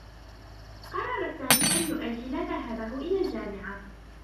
قرّر سامي أن يؤجّل ذهابه إلى الجامعة.